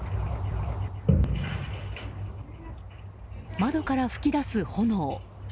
窓から噴き出す炎。